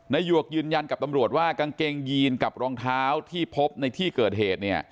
หยวกยืนยันกับตำรวจว่ากางเกงยีนกับรองเท้าที่พบในที่เกิดเหตุเนี่ย